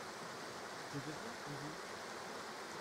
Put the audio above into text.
Je vais bien et vous ?